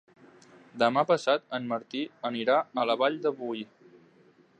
Demà passat en Martí anirà a la Vall de Boí.